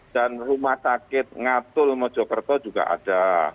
dan rumah sakit ngatul mojokerto juga ada